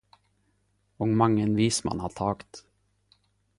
Og mang ein vismann har tagt.